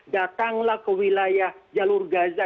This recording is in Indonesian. datanglah ke wilayah jalur gaza